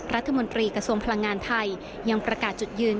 รัฐมนตรีกระทรวงพลังงานไทยยังประกาศจุดยืน